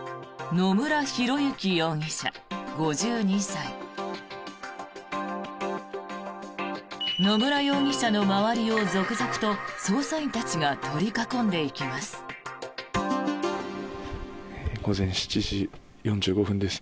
野村容疑者の周りを続々と捜査員たちが取り囲んでいきます。